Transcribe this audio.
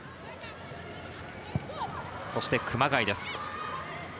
そして熊谷です。